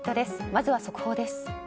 まずは速報です。